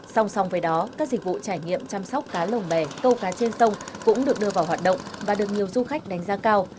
song song với đó các dịch vụ trải nghiệm chăm sóc cá lồng bè câu cá trên sông cũng được đưa vào hoạt động và được nhiều du khách đánh giá cao